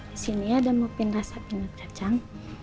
disini ada muffin rasa binat kacang